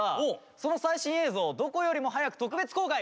その最新映像をどこよりも早く特別公開！